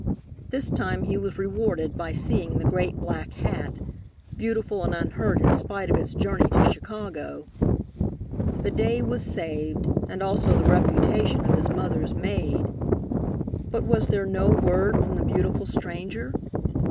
This time he was rewarded by seeing the great black hat, beautiful and unhurt in spite of its journey to Chicago. The day was saved, and also the reputation of his mother's maid. But was there no word from the beautiful stranger?